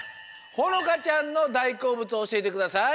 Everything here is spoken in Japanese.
ほのかちゃんのだいこうぶつをおしえてください。